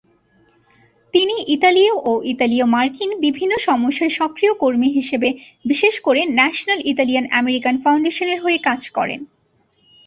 তিনি ইতালীয় ও ইতালীয় মার্কিন বিভিন্ন সমস্যায় সক্রিয় কর্মী হিসেবে, বিশেষ করে ন্যাশনাল ইতালিয়ান আমেরিকান ফাউন্ডেশনের হয়ে, কাজ করেন।